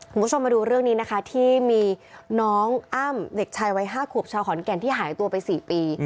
คุณผู้ชมมาดูเรื่องนี้นะคะที่มีน้องอ้ำเด็กชายวัย๕ขวบชาวขอนแก่นที่หายตัวไป๔ปี